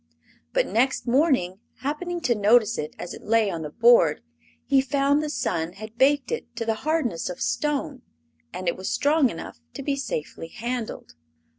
But next morning, happening to notice it as it lay on the board, he found the sun had baked it to the hardness of stone, and it was strong enough to be safely handled.